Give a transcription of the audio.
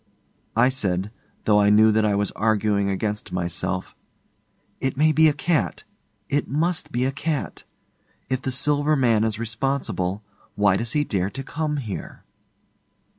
I said, though I knew that I was arguing against myself, 'It may be a cat. It must be a cat. If the Silver Man is responsible, why does he dare to come here?